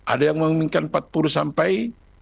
ada yang menginginkan empat puluh sampai empat puluh lima